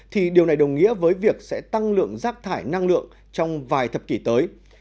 thì điều này đồng nghĩa với việc sẽ tăng lượng rác thải năng lượng trong vài thập kỷ tới